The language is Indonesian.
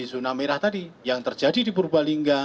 zona merah tadi yang terjadi di purbalingga